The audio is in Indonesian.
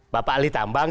bapak ali tambang